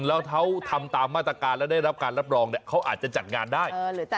แล้วเขาทำตามมาตรการแล้วได้รับการรับรองเขาอาจจะจัดงานได้